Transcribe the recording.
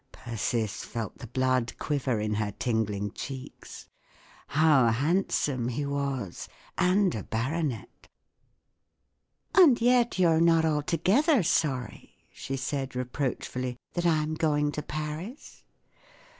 Persis felt the blood quiver in her tingling cheeks. How handsome he was —and a baronet 1 "And yet you're not altogether sorry," she said, reproachfully, " that I'm going to Paris!"